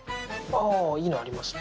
いいのありますね。